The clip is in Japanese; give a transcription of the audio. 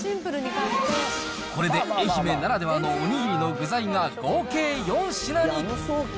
これで愛媛ならではのおにぎりの具材が合計４品に。